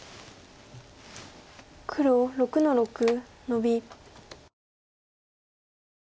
黒６の六ノビ。